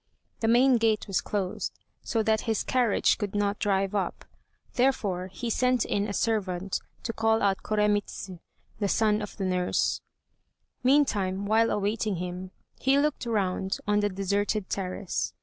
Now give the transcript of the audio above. The main gate was closed, so that his carriage could not drive up; therefore, he sent in a servant to call out Koremitz, a son of the nurse. Meantime, while awaiting him, he looked round on the deserted terrace.